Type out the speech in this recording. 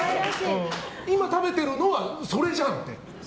今食べているのはそれじゃんって。